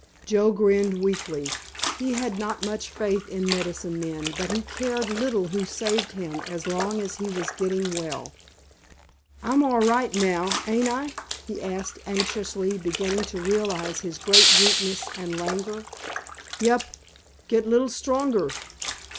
Joe grinned weakly. He had not much faith in medicine men, but he cared little who saved him as long as he was getting well. "I'm all right now, ain't I?" he asked anxiously, beginning to realize his great weakness and languor. "Yep. Get li'l stronger.